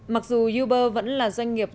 mặc dù uber vẫn là doanh nghiệp